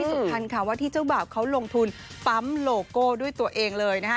สำคัญค่ะว่าที่เจ้าบ่าวเขาลงทุนปั๊มโลโก้ด้วยตัวเองเลยนะคะ